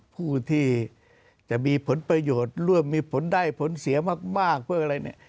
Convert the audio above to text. ผู้ที่จะมีผลประโยชน์ร่วมมีผลได้ผลเสียมากเพื่ออะไรเนี่ย